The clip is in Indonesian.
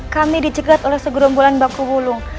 kami dicegat oleh segerombolan baku wulung